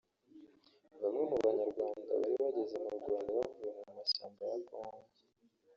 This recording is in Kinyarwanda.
Bamwe mu Banyarwanda bari bageze mu Rwanda bavuye mu mashyamba ya Congo